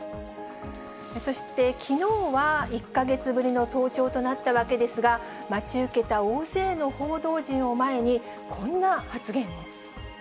そして、きのうは１か月ぶりの登庁となったわけですが、待ち受けた大勢の報道陣を前に、こんな発言を。